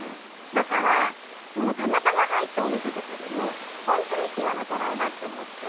だからたまたま入ったお店とかでも本当に気が抜けないなって思って。